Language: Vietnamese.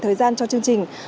thời gian cho chương trình